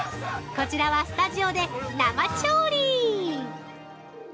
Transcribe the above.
こちらは、スタジオで生調理。